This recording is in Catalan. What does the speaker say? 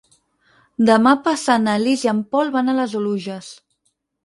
Demà passat na Lis i en Pol van a les Oluges.